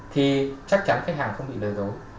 thì chắc chắn khách hàng không bị lời dối